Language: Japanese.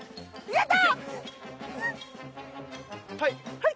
やった！